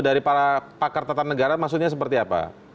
dari para pakar tata negara maksudnya seperti apa